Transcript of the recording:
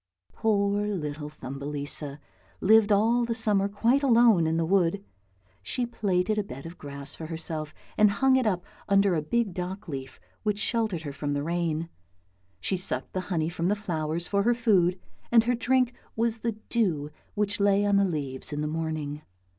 Poor little Thumbelisa lived all the summer quite alone in the wood. She plaited a bed of grass for herself and hung it up under a big dock leaf which sheltered her from the rain; she sucked the honey from the flowers for her food, and her drink was the dew which lay on the leaves in the morning.